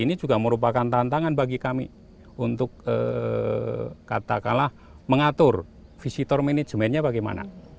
ini juga merupakan tantangan bagi kami untuk katakanlah mengatur visitor manajemennya bagaimana